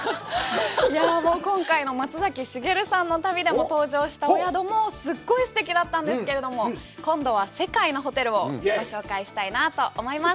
今回の松崎しげるさんの旅でも登場したお宿もすごいすてきだったんですけれども、今度は世界のホテルをご紹介したいなと思います。